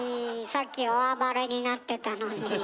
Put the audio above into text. さっきお暴れになってたのに。